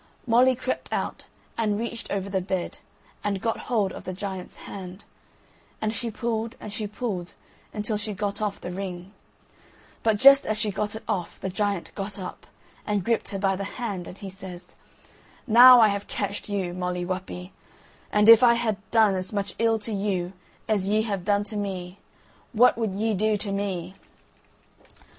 Molly crept out and reached over the bed, and got hold of the giant's hand, and she pulled and she pulled until she got off the ring; but just as she got it off the giant got up, and gripped her by the hand, and he says: "Now I have catcht you, Molly Whuppie, and, if I had done as much ill to you as ye have done to me, what would ye do to me?"